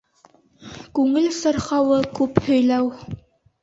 Күңел сырхауы күп һөйләү.